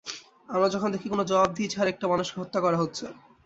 আমরা যখন দেখি, কোনো জবাবদিহি ছাড়া একটি মানুষকে হত্যা করা হচ্ছে।